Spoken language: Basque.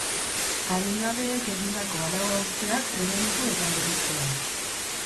Adingabeek egindako arau-hausteak prebenitu eta murriztea.